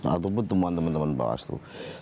ataupun temuan teman teman bawah itu